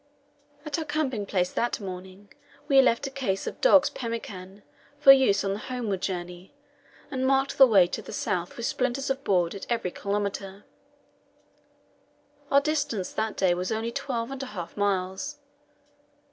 At our camping place that morning we left a case of dogs' pemmican, for use on the homeward journey, and marked the way to the south with splinters of board at every kilometre. Our distance that day was only twelve and a half miles.